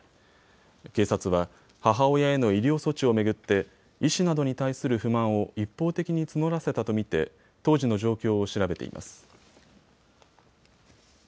警察は母親への医療措置を巡って医師などに対する不満を一方的に募らせたと見て当時の状況を調べています。